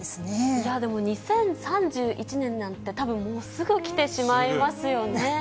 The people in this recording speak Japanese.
いや、でも２０３１年なんてたぶん、すぐ来てしまいますよね。